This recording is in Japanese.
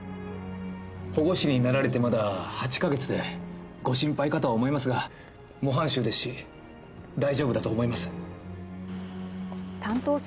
保護司になられてまだ８か月でご心配かと思いますが模範囚ですし大丈夫だと思います。